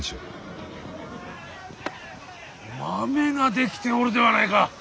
マメが出来ておるではないか。